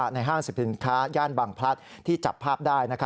ในห้างสินค้าย่านบังพลัดที่จับภาพได้นะครับ